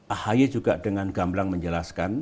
ahy juga dengan gamblang menjelaskan